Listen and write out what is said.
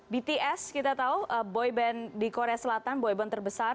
bts kita tahu boy band di korea selatan boy band terbesar